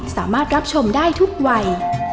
สามารถรับชมได้ทุกวัย